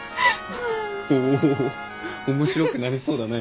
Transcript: おお面白くなりそうだね。